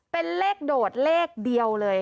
เป็นเลขโดดเลขเดียวเลย